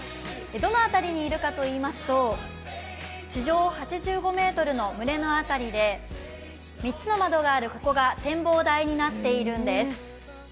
どの辺りにいるかといいますと、地上８５ｍの胸の辺りで３つの窓があるここが展望台となっているんです。